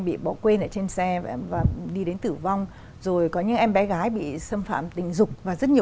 bị bỏ quên ở trên xe và đi đến tử vong rồi có những em bé gái bị xâm phạm tình dục và rất nhiều